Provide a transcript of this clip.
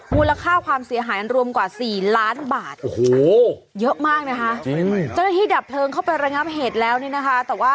มูลค่าความเสียหายรวมกว่า๔ล้านบาทโอ้โหเยอะมากนะคะเจ้าหน้าที่ดับเพลิงเข้าไประงับเหตุแล้วเนี่ยนะคะแต่ว่า